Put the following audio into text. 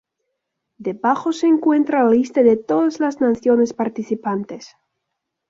Debajo se encuentra la lista de todas las naciones participantes.